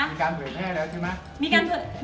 มีการเผยแพร่แล้วใช่ไหม